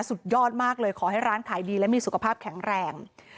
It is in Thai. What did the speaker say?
สุดยอดมากเลยขอให้ร้านขายดีและมีสุขภาพแข็งแรง